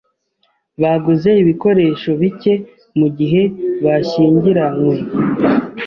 Baguze ibikoresho bike mugihe bashyingiranywe.